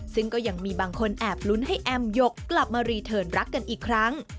ซึ่งก็ยังมีบางคนแอบลุ้นให้แอมหยกกลับมารีเทิร์นรักกันอีกครั้ง